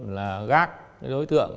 là gác đối tượng